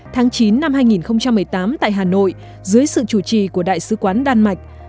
tháng chín năm hai nghìn một mươi tám tại hà nội dưới sự chủ trì của đại sứ quán đan mạch